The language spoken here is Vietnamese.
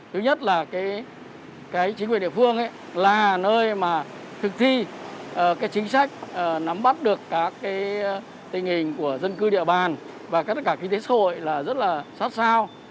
thứ nhất là chính quyền địa phương là nơi thực thi chính sách nắm bắt được các tình hình của dân cư địa bàn và các kinh tế xã hội rất là sát sao